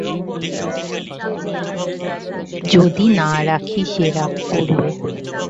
যদি না রাখি, সে রাগ করবে।